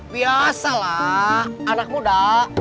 biasalah anak muda